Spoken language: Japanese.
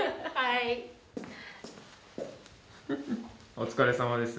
お疲れさまです。